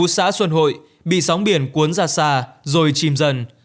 xã xuân hội bị sóng biển cuốn ra xa rồi chìm dần